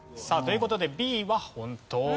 さあという事でＢは本当。